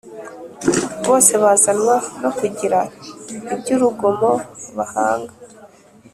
Bose bazanwa no kugira iby urugomo bahanga